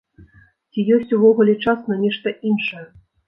Ці ёсць увогуле час на нешта іншае?